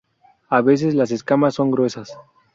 A veces, las escamas son gruesas.